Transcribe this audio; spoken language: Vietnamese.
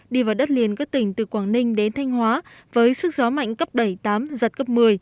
đi vào đất liền các tỉnh từ quảng ninh đến thanh hóa với sức gió mạnh cấp bảy tám giật cấp một mươi